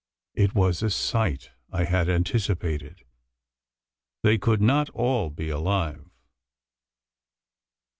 It was a sight I had anticipated. They could not all be alive.